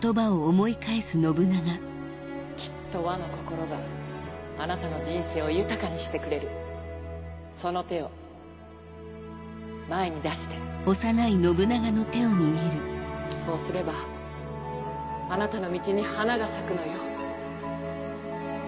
きっと和の心があなたの人生を豊かにしてくれるその手を前に出してそうすればあなたの道に花が咲くのよ